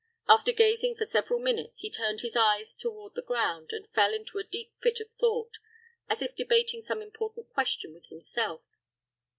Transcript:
After gazing for several minutes, he turned his eyes toward the ground, and fell into a deep fit of thought, as if debating some important question with himself.